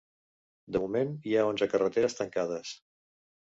De moment hi ha onze carreteres tancades.